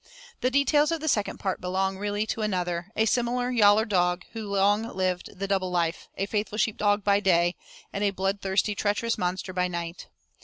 The details of the second part belong really to another, a similar yaller dog, who long lived the double life a faithful sheep dog by day, and a bloodthirsty, treacherous monster by night.